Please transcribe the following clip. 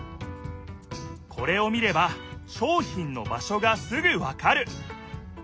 これを見れば商品の場所がすぐわかる！